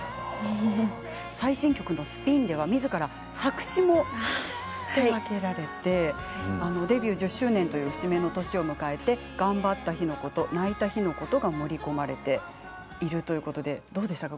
最新曲の「スピン」ではみずから作詞も手がけられてデビュー１０周年という節目の年を迎えて頑張った日のこと泣いた日のことが盛り込まれているということでどうですか？